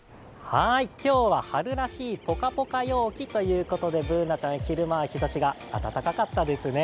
今日は春らしいポカポカ陽気ということでＢｏｏｎａちゃん、昼間は日ざしが暖かかったですね。